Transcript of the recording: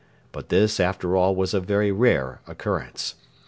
But this, after all, was a very rare occurrence.